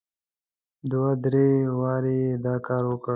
دوه درې واره یې دا کار وکړ.